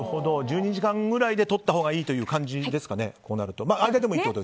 １２時間ぐらいでとったほうがいいという感じですかね。